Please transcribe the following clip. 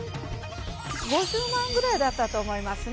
５０万ぐらいだったと思いますね。